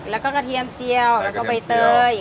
แล้วก็กระเทียมเจียวแล้วก็ใบเตย